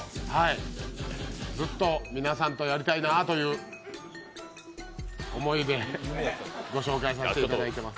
ずっと皆さんとやりたいなという思いでご紹介させていただいています。